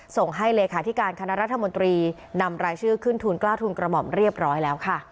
ส่งให้เลขาธิการคณะรัฐมนตรีนำรายชื่อขึ้นทุนกล้าทุนกระหม่อมเรียบร้อยแล้วค่ะ